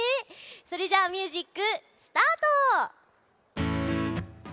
それじゃミュージックスタート！